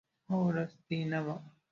خو وروستۍ نه وه.